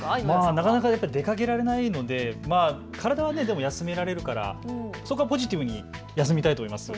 なかなか出かけられないので体は休められるからそこはポジティブに休みたいと思います。